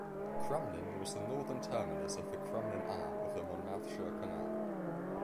Crumlin was the northern terminus of the Crumlin Arm of the Monmouthshire canal.